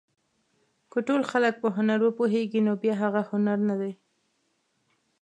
که ټول خلک په هنر وپوهېږي نو بیا هغه هنر نه دی.